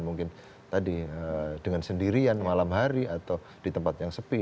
mungkin tadi dengan sendirian malam hari atau di tempat yang sepi